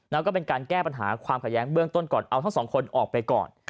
แล้วก็เป็นการแก้ปัญหาความขัดแย้งเบื้องต้นก่อนเอาทั้งสองคนออกไปก่อน